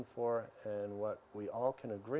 apa yang kita semua mencari